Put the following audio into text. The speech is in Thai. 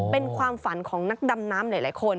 เป็นความฝันของนักดำน้ำหลายคน